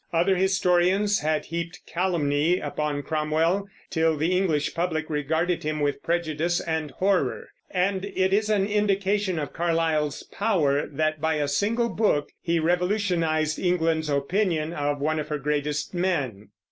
Other historians had heaped calumny upon Cromwell till the English public regarded him with prejudice and horror; and it is an indication of Carlyle's power that by a single book he revolutionized England's opinion of one of her greatest men.